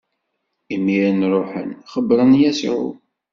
Imiren ṛuḥen, xebbṛen Yasuɛ.